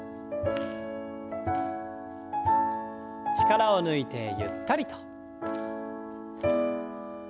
力を抜いてゆったりと。